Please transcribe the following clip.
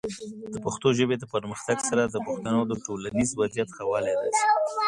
د پښتو ژبې د پرمختګ سره، د پښتنو د ټولنیز وضعیت ښه والی راځي.